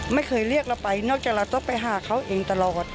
ไม่เคยเรียกเราไปนอกจากเราต้องไปหาเขาเองตลอด